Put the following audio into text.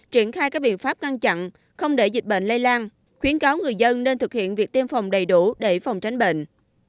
triển khai các biện pháp ngăn chặn không để dịch bệnh lây lan khuyến cáo người dân nên thực hiện việc tiêm phòng đầy đủ để phòng tránh bệnh